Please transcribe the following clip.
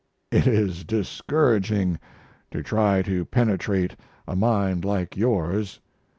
It is discouraging to try to penetrate a mind like yours.